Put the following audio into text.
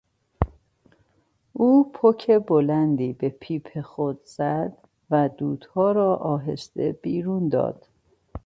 او پک بلندی به پیپ خود زد و دودها را آهسته بیرون داد.